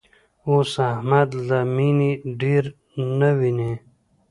اوس احمد له مینې ډېر نه ویني.